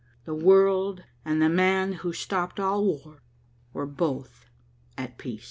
The world and the man who stopped all war were both at peace.